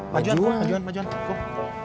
majuan majuan majuan majuan kum